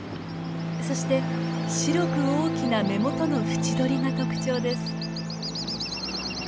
そして白く大きな目元の縁取りが特徴です。